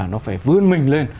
nó phải vươn mình lên